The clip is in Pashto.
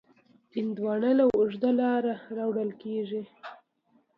هندوانه له اوږده لاره راوړل کېږي.